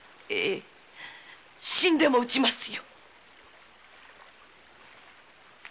死んでも討ちますよ！